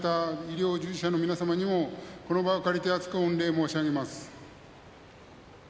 医療従事者の皆様にもこの場を借りて厚く御礼申し上げます。